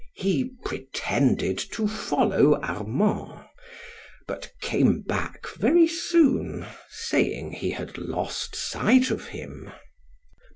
He pretended to follow Armand; but came back very soon, saying he had lost sight of him.